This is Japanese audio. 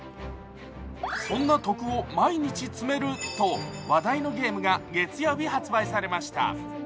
そんな徳を毎日詰めると話題のゲームが月曜日、発売されました。